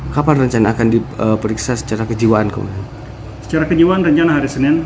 kapan rencana akan diperiksa secara kejiwaan kemudian secara kejiwaan rencana hari senin